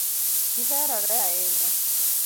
Gi herore ahinya